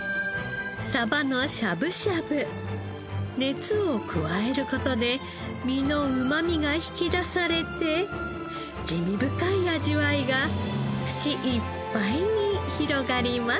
熱を加える事で身のうまみが引き出されて滋味深い味わいが口いっぱいに広がります。